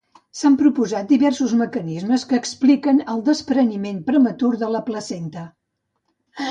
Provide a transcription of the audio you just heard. S'han proposat diversos mecanismes que expliquen el despreniment prematur de la placenta.